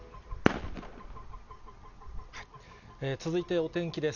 続いてお天気です。